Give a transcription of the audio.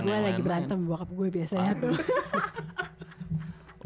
gue lagi berantem bokap gue biasanya tuh